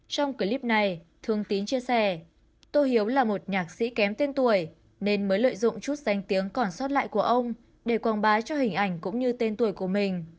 trong clip này thường tín chia sẻ tô hiếu là một nhạc sĩ kém tên tuổi nên mới lợi dụng chút danh tiếng còn sót lại của ông để quảng bá cho hình ảnh cũng như tên tuổi của mình